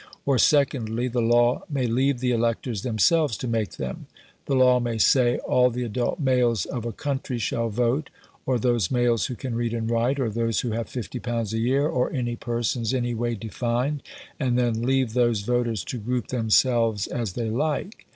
Or, secondly, the law may leave the electors themselves to make them. The law may say all the adult males of a country shall vote, or those males who can read and write, or those who have 50 pounds a year, or any persons any way defined, and then leave those voters to group themselves as they like.